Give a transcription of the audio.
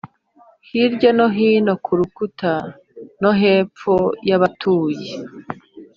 hirya no hino kurukuta no hepfo yabatuye